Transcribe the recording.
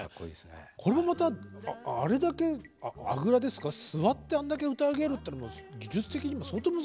これもまたあれだけあぐらですか座ってあんだけ歌い上げるってのも技術的にも相当難しいんじゃないですか。